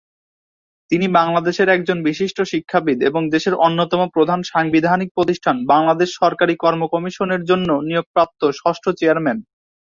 তিনি বাংলাদেশের একজন বিশিষ্ট শিক্ষাবিদ এবং দেশের অন্যতম প্রধান সাংবিধানিক প্রতিষ্ঠান 'বাংলাদেশ সরকারি কর্ম কমিশন'-এর জন্য নিয়োগপ্রাপ্ত ষষ্ঠ চেয়ারম্যান।